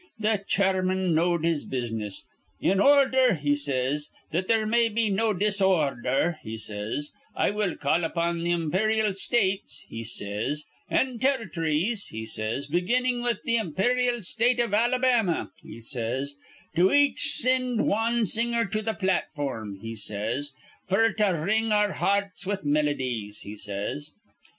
"Th' chairman knowed his business. 'In ordher,' he says, 'that there may be no disordher,' he says, 'I will call upon th' imperyal States,' he says, 'an Territ'ries,' he says, 'beginnin' with th' imperyal State iv Alabama,' he says, 'to each sind wan singer to th' platform,' he says, 'f'r to wring our hear rts with melodies,' he says.